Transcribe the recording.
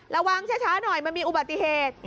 ระวังช้าหน่อยมันมีอุบัติเหตุ